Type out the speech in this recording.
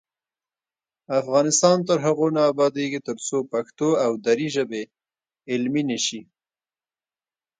افغانستان تر هغو نه ابادیږي، ترڅو پښتو او دري ژبې علمي نشي.